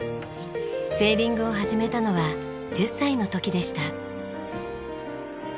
セーリングを始めたのは１０歳の時でした。